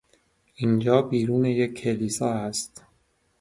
اینجا بیرون یک کلیسا است.